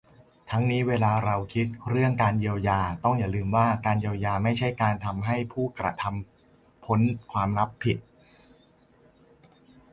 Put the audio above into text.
ทั้งนี้เวลาเราคิดเรื่องการเยียวยา ต้องอย่าลืมว่า การเยียวยาไม่ใช่การทำให้ผู้กระทำพ้นความรับผิด